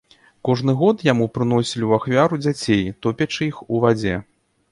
Кожны год яму прыносілі ў ахвяру дзяцей, топячы іх у вадзе.